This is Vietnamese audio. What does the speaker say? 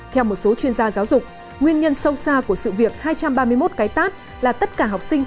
theo một số chuyên gia giáo dục nguyên nhân sâu xa của sự việc hai trăm ba mươi một cái tát là tất cả học sinh